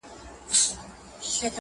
دا درېيم ارزښت ته هايبريډ ارزښت ويل کېږي